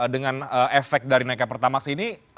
dengan efek dari naiknya pertama sini